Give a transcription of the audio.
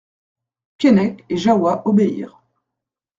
Keinec et Jahoua obéirent.